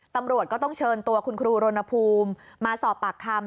ตำรวจก็ต้องเชิญตัวคุณครูรณภูมิมาสอบปากคำ